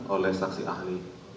oleh saksi ahli